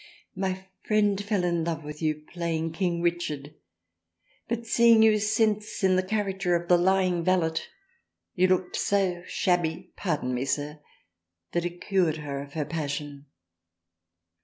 My friend fell in love with you playing King Richard but seeing you since in the character of the Lying Valet you looked so 12 THRALIANA shabby (Pardon me, Sir) that it cured her of her passion."